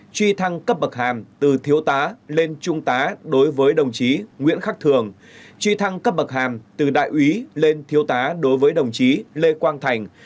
truy thăng cấp bậc hàm từ thiếu tá lên trung tá đối với đồng chí nguyễn khắc thường truy thăng cấp bậc hàm từ đại úy lên thiếu tá đối với đồng chí lê quang thành